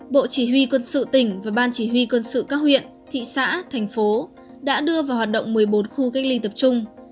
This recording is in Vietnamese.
bộ chỉ huy quân sự tỉnh và ban chỉ huy quân sự các huyện thị xã thành phố đã đưa vào hoạt động một mươi bốn khu cách ly tập trung